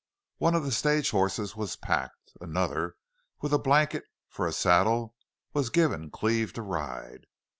One of the stage horses was packed. Another, with a blanket for a saddle, was given Cleve to ride.